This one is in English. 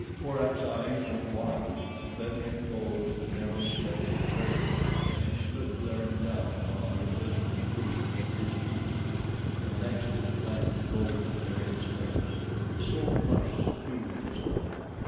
Korak's eyes went wide and then they closed to narrow slits of rage as he stood glaring down upon the abysmal brute at his feet. When next his glance rose to Meriem's face a slow flush suffused his own.